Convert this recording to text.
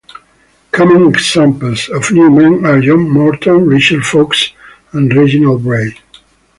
Common examples of new men are John Morton, Richard Foxe and Reginald Bray.